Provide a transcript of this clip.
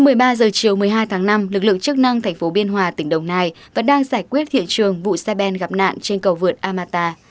khoảng một mươi ba h chiều một mươi hai tháng năm lực lượng chức năng thành phố biên hòa tỉnh đồng nai vẫn đang giải quyết hiện trường vụ xe ben gặp nạn trên cầu vượt amata